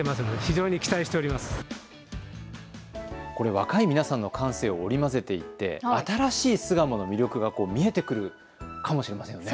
若い皆さんの感性を織り交ぜていって新しい巣鴨の魅力が見えてくるかもしれませんね。